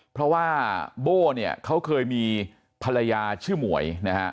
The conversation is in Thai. เพราะว่าโบ่เคยมีภรรยาชื่อหมวย